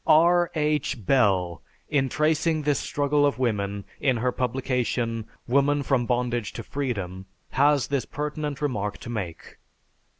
R. H. Bell, in tracing this struggle of woman in her publication, "Woman from Bondage to Freedom," has this pertinent remark to make.